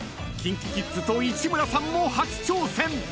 ［ＫｉｎＫｉＫｉｄｓと市村さんも初挑戦！］